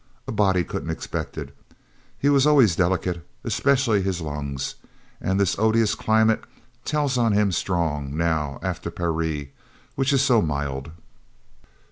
A body couldn't expect it. He was always delicate especially his lungs and this odious climate tells on him strong, now, after Parry, which is so mild."